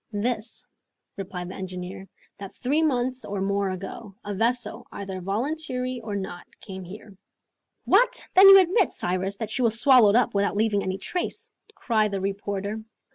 "This," replied the engineer, "that three months or more ago, a vessel, either voluntarily or not, came here." "What! then you admit, Cyrus, that she was swallowed up without leaving any trace?" cried the reporter.